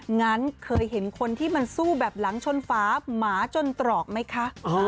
งั้นเคยเห็นคนที่มันสู้แบบหลังชนฝาหมาจนตรอกไหมคะ